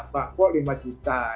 bangkok lima juta